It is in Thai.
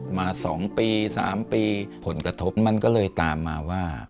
มา๒ปี๓ปีผลกระทบมันก็เลยตามมาว่า